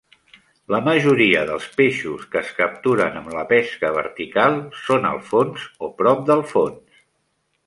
La majoria dels peixos que es capturen amb la pesca vertical són al fons o prop del fons.